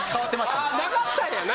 なかったんやな。